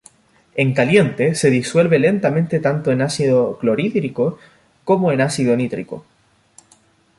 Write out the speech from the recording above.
En caliente, se disuelve lentamente tanto en ácido clorhídrico como en ácido nítrico.